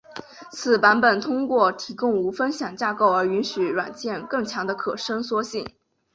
此版本通过提供无分享架构而允许软件更强的可伸缩性。